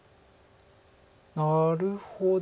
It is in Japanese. なるほど。